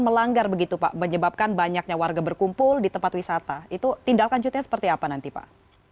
melanggar begitu pak menyebabkan banyaknya warga berkumpul di tempat wisata itu tindak lanjutnya seperti apa nanti pak